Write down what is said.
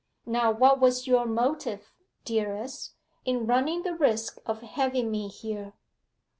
Now what was your motive, dearest, in running the risk of having me here?